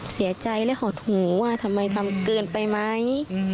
เสียใจแล้วห่อถูวว่าทำเกินไปไหม